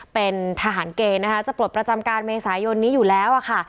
เป็นทหารเกณฑ์นะคะจะปลดประจำการเมษายนนี้อยู่แล้วค่ะ